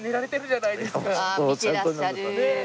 わあ見てらっしゃる。